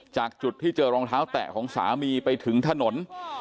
จากจุดที่เจอรองเท้าแตะของสามีไปถึงถนน